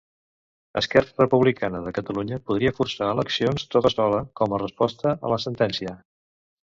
Esquerra Republicana de Catalunya podria forçar eleccions, tota sola, com a resposta a la sentència.